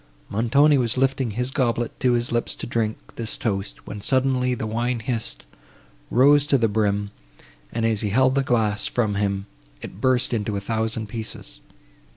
Montoni was lifting his goblet to his lips to drink this toast, when suddenly the wine hissed, rose to the brim, and, as he held the glass from him, it burst into a thousand pieces.